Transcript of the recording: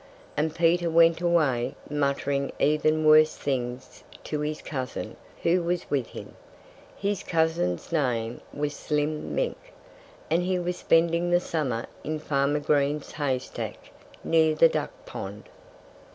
And Peter went away muttering even worse things to his cousin, who was with him. His cousin's name was Slim Mink. And he was spending the summer in Farmer Green's haystack near the duck pond.